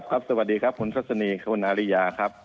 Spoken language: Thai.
ครับสวัสดีครับคุณศักดิ์สนีคุณอาริยาครับ